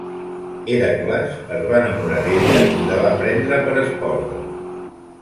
Hèracles es va enamorar d'ella i la va prendre per esposa.